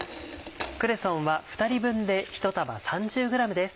クレソンは２人分で１束３０ｇです。